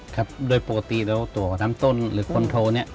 ครับโดยปกติแล้วตัวน้ำต้นหรือคนโทเนี่ย